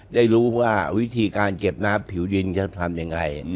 ได้รู้ว่าวิธีการเก็บน้ำผิวดินจะทำยังไง